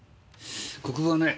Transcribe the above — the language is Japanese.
国分はね